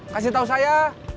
kasih tau saya